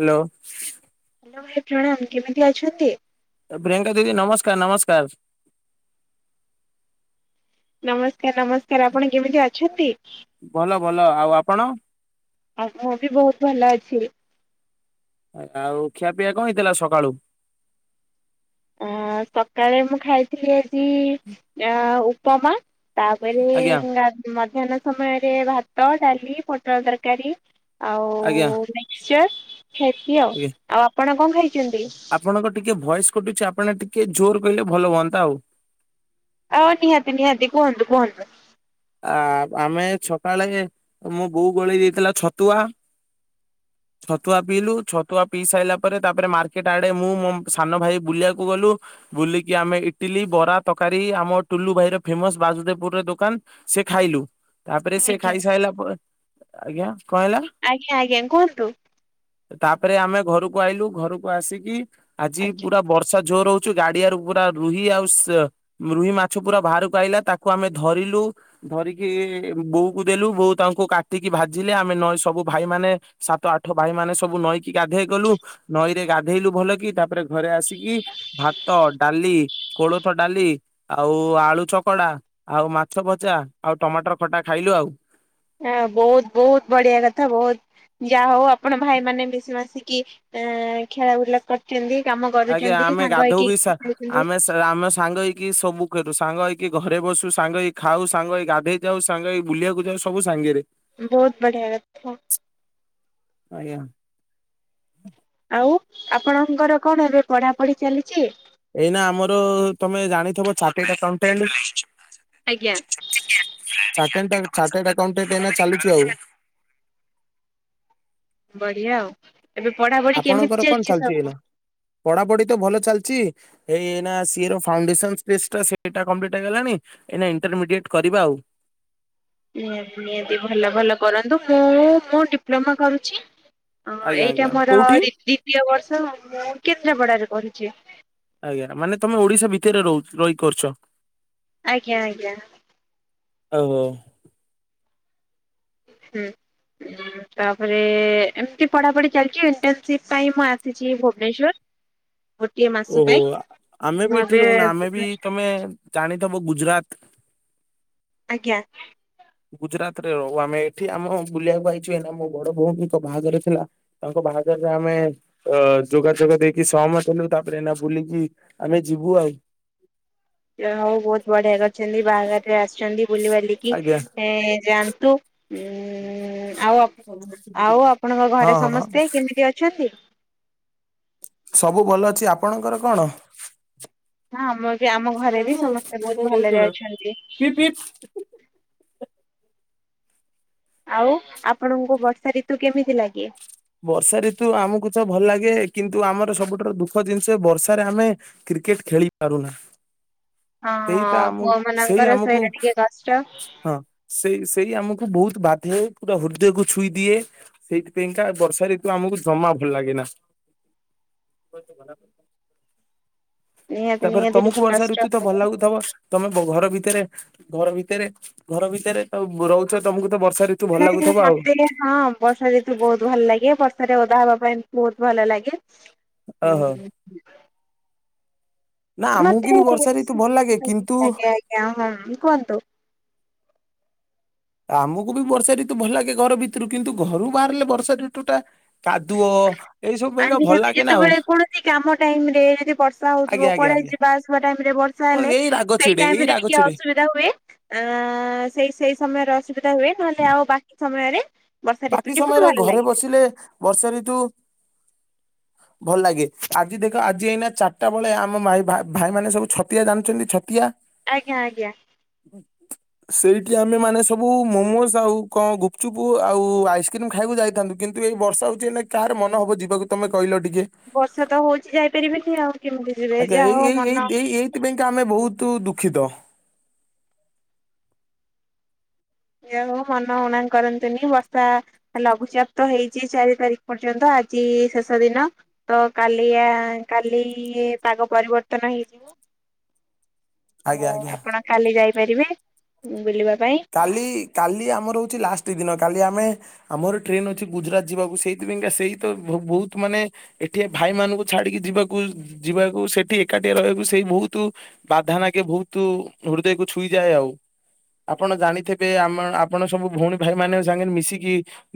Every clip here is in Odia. ହ୍ୟାଲୋ। ହାଲୋ ଭାଇ ପ୍ରଣାମ। କେମିତି ଅଛନ୍ତି? ପ୍ରିୟଙ୍କା ଦିଦି ନମସ୍କାର, ନମସ୍କାର। ନମସ୍କାର, ନମସ୍କାର। ଆପଣ କେମିତି ଅଛନ୍ତି? ଭଲ ଭଲ। ଆଉ ଆପଣ? ଆଉ ମୁଁ ବି ବହୁତ ଭଲ ଅଛି। ଆଉ ଖିଆ ପିଆ କଣ ହେଇଥିଲା ସକାଳୁ? ଅ ସକାଳେ ମୁଁ ଖାଇଥିଲି ଆଜି ଅ ଉପମା ତାପରେ ଆଜ୍ଞା ଗା ମଧ୍ୟାହ୍ନ ସମୟରେ ଭାତ, ଡାଲି, ପୋଟଳ ତରକାରୀ ଆଉ ଆଜ୍ଞା ମିକ୍ସଚର ଖାଇଚି ଆଉ। ଆଜ୍ଞା। ଆଉ ଆପଣ କଣ ଖାଇ ଆପଣଙ୍କ ଟିକେ ଭଏସ କଟୁଚି, ଆପଣ ଟିକେ ଜୋର କହିଲେ ଭଲ ହୁଅନ୍ତା ଆଉ। ଆଉ ନିହାତି, ନିହାତି। କୁହନ୍ତୁ, କୁହନ୍ତୁ। ଆ ଆମେ ଛକାଳେ ମୋ ବୋଉ ଗୋଳେଇ ଦେଇଥିଲା ଛତୁଆ ହ ଛତୁଆ ପିଇଲୁ, ଛତୁଆ ପିଇ ସାଇଲା ପରେ ତାପରେ ମାର୍କେଟ ଆଡେ ମୁଁ ମୋ ସାନ ଭାଇ ବୁଲିବାକୁ ଗଲୁ। ବୁଲିକି ଆମେ ଇଟିଲି, ବରା, ତକାରୀ, ଆମ ଟୁଲୁ ଭାଇର ଫେମସ ବାସୁଦେପୁରରେ ଦୋକାନ ସେ ଖାଇଲୁ। ତାପରେ ସେ ଆଜ୍ଞା ଖାଇ ସାଇଲା ପରେ ଆଜ୍ଞା? କଣ ହେଲା? ଆଜ୍ଞା, ଆଜ୍ଞା। କୁହନ୍ତୁ। ତାପରେ ଆମେ ଘରକୁ ଆଇଲୁ। ଘରକୁ ଆସିକି, ଆଜି ଆଜ୍ଞା। ପୁରା ବର୍ଷା ଜୋର ହଉଚୁ। ଗାଡିଆରୁ ପୁରା ରୁହି ଆଉ ସେ ରୁହି ମାଛ ପୁରା ବାହାରକୁ ଆଇଲା ତାକୁ ଆମେ ଧରିଲୁ ଧରିକି ବୋଉକୁ ଦେଲୁ। ବୋଉ ତାଙ୍କୁ କାଟିକି ଭାଜିଲେ, ଆମେ ନ ସବୁ ଭାଇମାନେ ସା ସାତ ଆଠ ଭାଇ ମାନେ ସବୁ ନଈକି ଗାଧେଇ ଗଲୁ। ନଈରେ ଗାଧେଇଲୁ ଭଲ କି, ତାପରେ ଘରେ ଆସିକି ଭାତ, ଡାଲି, କୋଳଥ ଡାଲି ଆଉ ଆଳୁ ଚକଡା ଆଉ ମାଛ ଭଜା ଚା ଆଉ ଟମାଟର ଖଟା ଖାଇଲୁ ଆଉ। ହ ବହୁତ ବହୁତ ବଢିଆ କଥା ବହୁତ ଯାହା ହଉ ଆପଣ ଭାଇ ମାନେ ମିଶି ମାସିକି ଆ ଖେଳା ବୁଲା କରୁଛନ୍ତି। କାମ ଆଜ୍ଞା ଆମେ ସାଙ୍ଗ ଗାଧଉ ହେଇକି ବି ସା ଖେଳୁଛନ୍ତି ଆମେ ସା ଆମେ ସାଙ୍ଗ ହେଇକି ସବୁ ସାଙ୍ଗ ହେଇକି ଘରେ ବସୁ ସାଙ୍ଗ ହେଇ ଖାଉ ସାଙ୍ଗ ହେଇ ଗାଧେଇ ଯାଉ ସାଙ୍ଗ ହେଇ ବୁଲିବାକୁ ଯାଉ ସବୁ ସାଙ୍ଗରେ। ବହୁତ ବଢ଼ିଆ କଥା। ଆଜ୍ଞା। ଆଉ ଆପଣଙ୍କର କଣ ଏବେ ପଢାପଢି ଚାଲିଛି। ଏଇନା ଆମର ତମେ ଜାଣିଥିବ ଚାଟାଡ ଆକାଉଣ୍ଟାଣ୍ଟ। ଆଜ୍ଞା ଚନ୍ତାଣ୍ଟ ଚାଟାଡ ଆକାଉଣ୍ଟୁ ଏହିନେ ଚାଳିଛି ଆଉ। ବଢିଆ ଆଉ। ଏବେ ପଢାପଢି କେମିତି ଆପଣଙ୍କର କଣ ଚାଲିଛି ସବୁ ଏଇନା। ପଢାପଢି ତ ଭଲ ଚାଲିଛି। ଏଇ ଏହୀନ ସିଏ ର ଫାଉଣ୍ଡେଶନ ସ୍ପେସ ଟା ସେଇଟା କଂପ୍ଲିଟି ହେଇଗଲାଣି ଏଇନା ଇଣ୍ଟରମିଡିଏଟ୍ କରିବା ଆଉ। ନିହାତୀ ନିହାତି ଭଲ ଭଲ କରନ୍ତୁ ମୁଁ ମୁଁ ଡିପ୍ଲୋମା କରୁଛି। ହ ଆଜ୍ଞା ଆଜ୍ଞା ଏଇଟା ମୋର କୋଉଠି ଦ୍ଵିତୀୟ ବର୍ଷ ମୁଁ କେନ୍ଦ୍ରାପଡାରେ କରୁଛି। ଆଜ୍ଞା ମାନେ ତମେ ଓଡିଶା ଭିତରେ ରହୁ ରହିକି କରୁଛ। ଆଜ୍ଞା ଆଜ୍ଞା। ଆଉ ହୋ। ହୁଁ। ତାପରେ ଏମତି ପଢାପଢି ଚାଲିଛି ଇଣ୍ଟନସିପ ପାଇଁ ମୁଁ ଆସିଛି ଭୁବନେଶ୍ଵର। ହଁ ଓହୋ ଆମେ ବି ଏଠି ଏବେ ରହୁନା ଆମେ ବି ତମେ ଜାଣି ତମ ଗୁଜୁରାତ ଆଜ୍ଞା। ଗୁଜୁରାତ ରେ ରହୁ ଆମେ ଏଠି ଆମ ବୁଲିବାକୁ ପାଇଛୁ ଏନା ମୋ ବଡ ଭଉୀଙ୍କ ବାହାଘର ଥିଲା ତାଙ୍କ ବାହାଘର ତ ଆମେ ଅ ଯୋଗାଯୋଗ ଦେଇକି ସହମୟ ହେଲୁ ତାପରେ ଏନା ବୁଲିକି ଆମେ ଯିବୁ ଆଉ। ଯାହା ହଉ ବହୁତ ବଢିଆ କରିଛନ୍ତି ବାହାଘରରେ ଆସିଛନ୍ତି ବୁଲି ବଲିକି। ଆଜ୍ଞା। ଏ ଜାଆନ୍ତୁ। ଉଁ ଉଁ ଉଁ ଆଉ ଆଉ ଆପଣଙ୍କ ହଁ ଘରେ ହଁ ସମସ୍ତେ କେମିତି ଅଛନ୍ତି? ସବୁ ଭଲ ଅଛି ଆପଣଙ୍କର କଣ? ହଁ ଆମର ବି ଆମ ଘରେ ବି ସମସ୍ତେ ବହୁତ ଭଲରେ ଅଛନ୍ତି। [inaudible] ପିପ୍ ପିପ୍ ଆଉ ଆପଣଙ୍କୁ ବର୍ଷା ଋତୁ କେମିତି ଲାଗେ? ବର୍ଷା ଋତୁ ଆମକୁ ତ ଭଲ ଲାଗେ। କିନ୍ତୁ ଆମର ସବୁଠାରୁ ଦୁଃଖ ଜିନିଷ ବର୍ଷାରେ ଆମେ କ୍ରିକେଟ ଖେଳି ପାରୁନା। ହଁ ସେଇ ତ ଆମକୁ ପୁଅ ସେଇ ମାନଙ୍କର ଆମକୁ ସେଇଟା ଟିକେ କଷ୍ଟ ହଁ ସେଇ ସେଇ ଆମକୁ ବହୁତ। ବାଧେ ପୁରା ହୃଦ୍ଦକୁ ଛୁଇଁ ଦିଏ ସେଇ ଟା ବର୍ଷା ଋତୁ ଆମକୁ ଜମା ଭଲ ଲାଗେ ନା। ଗତ [unintelligible] ନିହାତି ତାପରେ ନିହାତି ଟିକେ ତମକୁ ବର୍ଷା ଋତୁ ତ କଷ୍ଟ। ଭଲ ଲାଗୁଥିବ ତମେ ତ ଘର ଭିତରେ ଘର ଭିତରେ ଘର ଭିତରେ ତ ରହୁଛ ତମକୁ ତ ବର୍ଷା ଋତୁ ଭଲ ଲାଗୁଥବ ଆଉ [unintelligible] ମେ ହଁ ବର୍ଷା ଯେତୁ ବହୁତ ଭଲ ଲାଗେ ବର୍ଷାାରେ ଓଧା ହବା ପାଇଁ ବହୁତ ଭଲ ଲାଗେ‌। ଓହୋ। ନା ଆମକୁ ମତେ ବି ବର୍ଷା ଋତୁ ଆଜ୍ଞା ଭଲ ଲାଗେ କିନ୍ତୁ ଆଜ୍ଞା ହଁ କୁହନ୍ତୁ। [inaudible] ଆମକୁ ବି ବର୍ଷା ଋତୁ ଭଲ ଲାଗେ ଘର ଭିତରୁ କିନ୍ତୁ ଘରୁ ବାହାରିଲେ ବର୍ଷା ଋତୁଟା ଆମ ନା ଆଉ ଯେତେବେଳେ କୌଣସି କାମ ଟାଇମ ରେ ଯି ବର୍ଷା ଆଜ୍ଞା ହଉଥିବ ଆଜ୍ଞା କୁଡେ ଆଜ୍ଞା ଯିବା ଆସିବା ଟାଇମ୍ ବର୍ଷା ହଁ ହେଲେ ଏଇ ରାଗ ସେଇ ଛିଡେ ଏଇ ଟାଇମରେ ରାଗ ଟିକେ ଛିଡେ। ଅସୁବିଧା ହୁଏ। ଏଁ ଏଁ ସେ ସେଇ ସମୟରେ ଅସ ସେଇଟା ହୁଏ ନ ହେଲେ ଆଉ ବାକି ସମୟରେ ବର୍ଷା ବାକି ଋତୁଟି ମତେ ସମୟରେ ଭଲ ଘରେ ଲାଗେ ବସିଲେ ବର୍ଷା ଋତୁ [inaudible] ଭଲ ଲାଗେ ଆଜି ଦେଖ ଆଜି ଏଇନା ଚାରିଟା ବେଳେ ଆମ ଭାଇ ଭାଇ ଭାଇମାନେ ସବୁ ଛତିଆ ଜାଣିଛନ୍ତି ଛତିଆ ଆଜ୍ଞା ଆଜ୍ଞା। ସେଇଠି ଆମେମାନେ ସବୁ ମୋମୋଜ ଆଉ କଣ ଗୁପଚୁପୁ ଆଉ ଆଇସ୍କ୍ରିମ୍ ଖାଇବାକୁ ଯାଇଥାନ୍ତୁ କିନ୍ତୁ ଏଇ ବର୍ଷା ହଉଛି ଏଇନେ କାହାର ମନ ହବ ଯିବାକୁ ତମେ କହିଲ ଟିକ କେ ବର୍ଷା ତ ହଉଛି ଯାଇପାରିବିନି ଆଉ କେମିତି ଯିବେ ଆଜ୍ଞା ଯାହା ଏଇ ହଉ ଏଇ ମନ ଏଇ ଥି ଏଇ ଏଇଥିପାଇଁକା ଆମେ ବହୁତ ତୁ ଦୁଃଖିତ। ଏହା ନୁହଁ ମନ ଉଣା କରନ୍ତୁନି ବର୍ଷା ଲଘୁଚାପ ତ ହେଇଛି ଚାରି ତାରିକ ପର୍ଯ୍ୟନ୍ତ ଆ ଆଜି ଶେଷ ଦିନ ତ କାଲିଆ କାଲି ପାଗ ପରିବର୍ତ୍ତନ ହେଇଯିବ। ତ ଆଜ୍ଞା ଆଜ୍ଞା। ଆପଣ କାଲି ଯାଇପାରିବେ ବୁଲିବା ପାଇଁ। କାଲି କାଲି ଆମର ହଉଛି ଲାଷ୍ଟ ଦିନ କାଲି ଆମେ ଆମର ଟ୍ରେନ ଅଛି ଗୁଜୁରଟ ଯିବାକୁ ସେଇଥିପାଇଁକା ସେଇ ତ ଭ ବହୁତ ମାନେ ଏଠି ଭାଇମାନଙ୍କୁ ଛାଡିକି ଯିବାକୁ ଯିବାକୁ ସେଠି ଏକାଟିଆ ରହିଆ ବାକୁ ସେଇ ବହୁତୁ ବାଧା ନାଗେ ବହୁତୁ ହୃଦୟକୁ ଛୁଇଁଯାଏ ଆଉ। ହଁ ଆପଣ ଜାଣିଥେବେ ଆମ ଆପଣ ସବୁ ଭଉଣୀ ଭାଇମାନଙ୍କ ସାଙ୍ଗରେ ମିଶିକି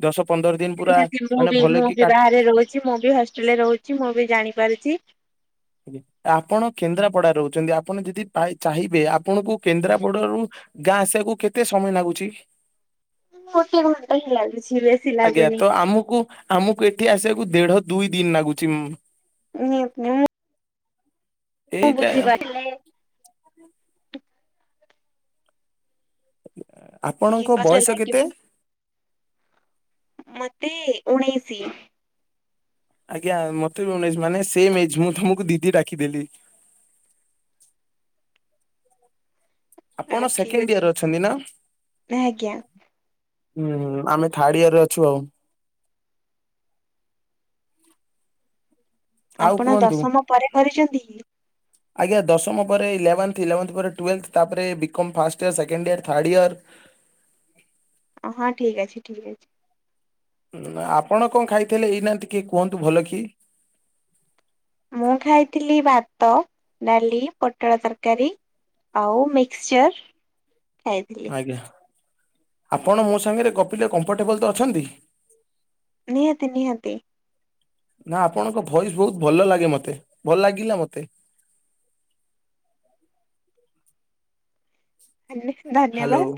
ଦଶ ପନ୍ଦର ଦିନ ପୁରା [unintelligible] ମୁଁ ମାନେ ବି ଭଲ ମୁଁ କି ବି ବାହାରେ ରହୁଛି ମୁଁ ବି ହଷ୍ଟେଲରେ ରହୁଛି ମୁଁ ବି ଜାଣିପାରୁଛି। ଆଜ୍ଞା ଆପଣ କେନ୍ଦ୍ରାପଡାରେ ରହୁଛନ୍ତି ଆପଣ ଯଦି ଚା ଚାହିଁବେ ଆପଣଙ୍କୁ କେନ୍ଦ୍ରାପଡାରୁ ଗାଁ ଆସିଆକୁ କେତେ ସମୟ ନାଗୁଛି? ଗୋଟେ ଘଣ୍ଟା ହିଁ ଲାଗୁଛି ବେଶୀ ଆଜ୍ଞା ଲାଗୁନି ତ ଆମୁକୁ ଆମୁକୁ ଏଠି ଆସିଆକୁ ଦେଢ ଦୁଇ ଦିନ ନାଗୁଚି ଉଁ [unintelligible] ମୁଁ ଏଇଟା ବୁଝିପାରିଲି। ଟିକେ ଆପଣଙ୍କ କଷ୍ଟ ବୟସ କେତେ? ମୋତେ ଉଣେଇସି। ଆଜ୍ଞା ମତେ ବି ଉଣେଇଶ ମାନେ ସେମ୍ ଏଜ୍ ମୁଁ ତମକୁ ଦିଦି ଡାକିଦେଲି। [inaudible] ଆପଣ ଠିକ ସେକେଣ୍ଡ ଅଛି ଇୟରରେ ଅଛନ୍ତି ନା! ଆଜ୍ଞା ହୁଁ ଆମେ ଥାର୍ଡ ଇଅର୍ ରେ ଅଛୁ ଆଉ। ଆଉ ଆପଣ କୁହନ୍ତୁ। ଦଶମ ପରେ କରିଛନ୍ତି କି? ଆଜ୍ଞା ଦଶମ ପରେ ଇଲେଭେନ୍ଥ ଇଲେଭେନ୍ଥ ପରେ ଟୁଏଲେଭେନ୍ଥ ତାପରେ B com first year second year third year. ହଁ ଠିକ ଅଛି ଠିକ ଅଛି। ଉଁ ଆପଣ କଣ ଖାଇଥିଲେ ଏଇନାହାନ୍ତି କି କୁହନ୍ତୁ ଭଲ କି। ମୁଁ ଖାଇଥିଲି ଭାତ, ଡାଲି, ପୋଟଳ ତରକାରୀ, ଆଉ ମିକ୍ସଚର୍ ଖାଇଥିଲି। ଆଜ୍ଞା। ଆପଣ ମୋ ସାଙ୍ଗରେ ଗପିଲେ କମ୍ଫର୍ଟେବଲ ତ ଅଛନ୍ତି? ନିହାତି ନିହାତି। ନା ଆପଣଙ୍କ ଭଏସ ବହୁତ ଭଲ ଲାଗେ ମତେ ଭଲ ଲାଗିଲା ମତେ। ଆଜ୍ଞା ଧନ୍ୟ ହ୍ୟାଲୋ।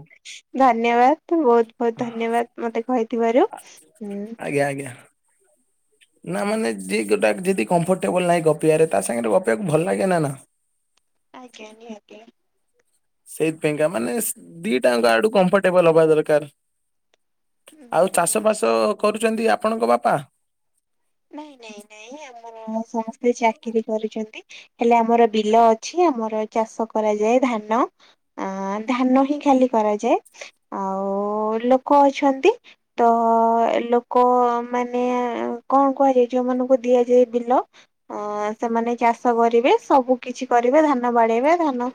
ଧନ୍ୟବାଦ ଧନ୍ୟବାଦ ବହୁତ ବହୁତ ଧନ୍ୟବାଦ ମତେ କହିଥିବାରୁ। ହୁଁ। ଆଜ୍ଞା ଆଜ୍ଞା ନା ମାନେ ଯିଏ ଗୋଟାଏ ଯେଦି କମ୍ଫର୍ଟେବଲ ନାହିଁ ଗପିଆରେ ତା ସାଙ୍ଗରେ ଗପିବାକୁ ଭଲ ଲାଗେ ନା ନା। ଆଜ୍ଞା ନିହାତି ଆଜ୍ଞା। ସେଇଥିପାଇଁକା ମାନେ ଶ୍ ଦି ଟାଙ୍କ ଆଡୁ କମ୍ଫର୍ଟେବଲ ହବା ଦରକାର। ଆଉ ଚାଷ ବାସ କରୁଛନ୍ତି ଆପଣଙ୍କ ବାପା? ନାଇଁ ନାଇଁ ନାଇଁ ଆମର ସମସ୍ତେ ଚାକିରି କରିଛନ୍ତି। ହେଲେ ଆମର ବିଲ ଅଛି ଆମର ଚାଷ କରାଯାଏ ଧାନ ଆ ଧାନ ହିଁ ଖା ଲି କରାଯାଏ ଆଉ ଲୋକ ଅଛନ୍ତି ତ ଲୋକ କ ମାନେ ଆଉ କଣ କୁହାଯାଏ ଯୋଉମାନଙ୍କୁ ଦିଆଯାଏ ବିଲ ଅ ସେମାନେ ଚାଷ କରିବେ ସବୁ କିଛି କରିବେ ଧାନ ବାଡେଇବା ଧାନ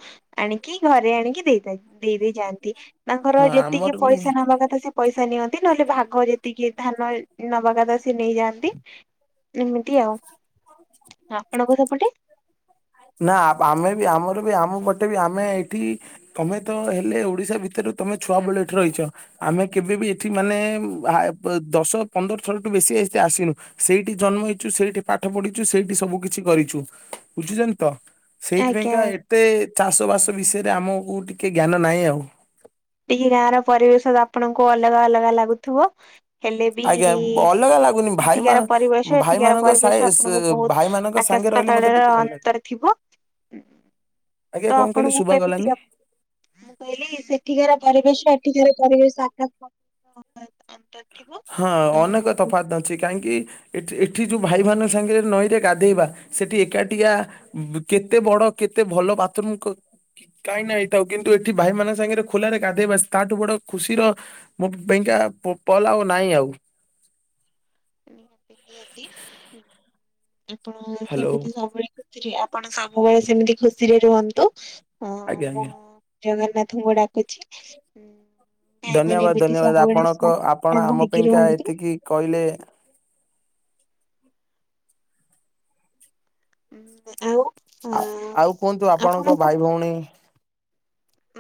ଆଣିକି ଘରେ ଆଣିକି ଦେଇ ଦେଇ ଦେଇ ଯାଆନ୍ତି ତାଙ୍କର ହଁ ଯେତିକି ଆମର ବି ପଇସା ନବା କଥା ସେ ପଇସା ନିଅନ୍ତି ନହେଲେ ଭାଗ ଯେତିକି ଧାନ ଏ ନବା କଥା ସିଏ ନେଇଯାଆନ୍ତି ଏମିତି ଆଉ। ଆପଣଙ୍କ ସେପଟେ? ନା ଆମେ ବି ଆମର ବି ଆମ ପଟେ ବି ଆମେ ଏଇଠି ତମେ ତ ହେଲେ ଓଡିଶା ଭିତରେ ତମେ ଛୁଆ ବେଳେ ଏଠି ରହିଛ ଆମେ କେବେ ବି ଏଠି ମାନେ ଦଶ ପନ୍ଦର ଥରଠୁ ବେଶୀ ଆସିନୁ ସେଇଠି ଜନ୍ମ ହେଇଛୁ ସେଇଠି ପାଠ ପଢିଛୁ ସେଇଠି ସବୁ କିିଛି କରିଛୁ ବୁଝିଛ ତ ଆଜ୍ଞା ସେଇଥିପାଇଁକା ଏତେ ଚାଷ ବାସ ବିଷୟରେ ଆମକୁ ଟିକେ ଜ୍ଞାନ ନାହିଁ ଆଉ। ଟିକେ ଗାଁ ର ପରିବେଶ ଆପଣଙ୍କୁ ଅଲଗା ଅଲଗା ଲାଗୁଥୁବ। ହେଲେ ବି ଆଜ୍ଞା ଅଲଗା ଲାଗୁନି ଭାଇ ସେଠିକାର ପରିବେଶ ଏଠିକାର ଭାଇମାନଙ୍କ ପରିବେଶ ସାଇ- ଆପଣଙ୍କୁ ସ- ବହୁତ୍ ଭାଇମାନଙ୍କ ଆକା ଆକାଶ ସାଙ୍ଗେ ରହିଲେ ପାତାଳ ମତେ ର ଟିକେ ଭଲ ଲାଗେ ଅନ୍ତର ଥିବ। ତ ଆଜ୍ଞା କଣ କହିଲେ ଆପଣଙ୍କୁ ମୁଁ ଶୁଭା କେମିତି ଗଲାନି କା ମୁଁ କହିଲି ଏଠିକାର ପରିବେଶ ଏଠିକାର ପରିବେଶ ଆକାଶ ଅନ୍ତ ହଁ ଅନେକ ତଫାତ୍ ଅଛି କାହିଁକି? ଏଠି ଯୋଉ ଭାଇ ମାନଙ୍କ ସାଙ୍ଗରେ ନଈରେ ଗାଧେଇବା ସେଠି ଏକାଠଆ କେତେ ବଡ କେତେ ଭଲ ବାଥରୁମ କାହିଁ ନା ଏଇଟାଉ କିନ୍ତୁ ଏଠି ଭାଇ ମାନଙ୍କ ସାଙ୍ଗରେ ଖୋଲାରେ ଗାଧୋଇବା ତାଠୁ ବଡ ଖୁସି ର ମୋ ପାଇଁ ଆଜ୍ଞା ଟୋର୍ଟାଲ ଆଉ ନାଇଁ ଆଉ ନିହାତି ନିହାତି ଆପଣ ହ୍ୟାଲୋ ସେମିତି ସବୁବେଳେ ଖୁସିରେ ଆପଣ ସବୁବେଳେ ସେମିତି ଖୁସିରେ ରୁହନ୍ତୁ। ହଁ ଆଜ୍ଞା ମୁଁ ଆଜ୍ଞା। ଜଗନ୍ନାଥଙ୍କୁ ଡାକୁଛି। ମାନେ ଧନ୍ୟବାଦ ଏମିତି ଧନ୍ୟବାଦ ସବୁବେଳେ ଆପଣଙ୍କ ଆପଣ ସାଙ୍ଗ ଆମ ହେଇକି ପାଇଁକା ରୁହନ୍ତି। ଏତିକି କହିଲେ ହଁ ଆଉ? ଆ ଆଉ କୁହନ୍ତୁ ଆପଣଙ୍କ ଆପଣଙ୍କୁ ଭାଇ ଭଉଣୀ?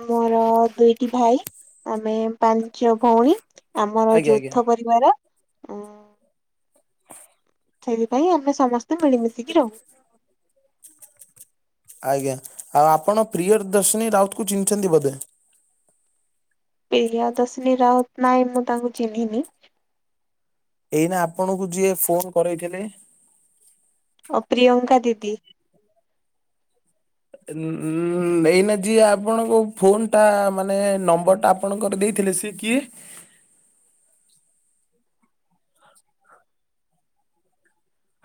ମୋର ଦୁଇଟି ଭାଇ ଆମେ ପାଞ୍ଚ ଭଉଣୀ। ଆମର ଆଜ୍ଞା ଆଜ୍ଞା ଯୌଥ ପରିବାର ଉ ସେଥିପାଇଁ ଆମେ ସମସ୍ତେ ମିଳିମିଶିକି ରହୁ। ଆଜ୍ଞା ଆଉ ଆପଣ ପ୍ରିୟଦର୍ଶିନୀ ରାଉତ କୁ ଚିହିଛନ୍ତି ବୋଧେ? ଏଇଆ ଦଶନୀ ରାଉତ ନାଇଁ ମୁଁ ତାଙ୍କୁ ଚିହ୍ନିନି। ଏଇନା ଆପଣଙ୍କୁ ଯିଏ ଫୋନ କରେଇଥିଲେ। ଅ ପ୍ରିୟଙ୍କା ଦିଦି। ଏଇନା ଯିଏ ଆପଣଙ୍କ ଫୋନ ଟା ମାନେ ନମ୍ବର ଟା ଆପଣଙ୍କର ଦେଇ ସେ କିଏ?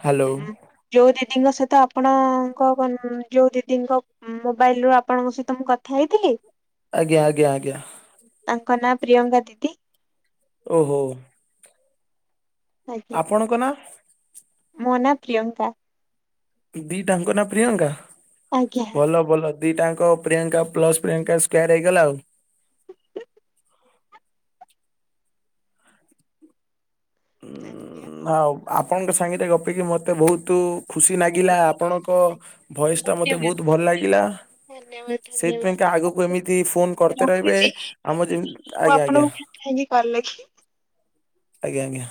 ହାଲୋ। ଉଁ ଯୋଉ ଦିଦିଙ୍କ ସହିତ ଆପଣଙ୍କ ଯୋଉ ଦିଦିଙ୍କ ମୋବାଇଲ ରୁ ଆପଣଙ୍କ ସହିତ ମୁଁ କଥା ହେଇଥିଲି। ଆଜ୍ଞା ଆଜ୍ଞା ଆଜ୍ଞା। ତାଙ୍କ ନାଁ ପ୍ରିୟଙ୍କା ଦିଦି। ଓହୋ। ଆଜ୍ଞା ଆପଣଙ୍କ ନା? ମୋ ନା ପ୍ରିୟଙ୍କା। ଦି ତାଙ୍କ ନାଁ ପ୍ରିୟଙ୍କା ଆଜ୍ଞା ଭଲ ଭଲ। ଦିଟାଙ୍କ ପ୍ରିୟଙ୍କା ପ୍ଲସ ପ୍ରିୟଙ୍କା ସ୍କ୍ୟାର ହେଇଗଲା ଆଉ। ! ! ! ! ! ଆଉ ଆପଣଙ୍କ ସାଙ୍ଗରେ ଗପିକି ମୋତେ ବହୁତ ଖୁସି ଲାଗିଲା ଭଲ। ଆପଣଙ୍କ ଭଏସ ଟା ମତେ ଧନ୍ୟବାଦ ବହୁତ ଭଲ ଲାଗିଲା। ଧନ୍ୟବାଦ ଧନ୍ୟବାଦ ସେଇଥିପାଇଁକା ଆଗକୁ ଏମିତି ଫୋନ କରତେ ରହିବେ ରଖୁଛି ଆମ ଯେମିତି ଆଜ୍ଞା ଆଜ୍ଞା। ହେକି କଲେ ଖି। ଆଜ୍ଞା ଆଜ୍ଞା।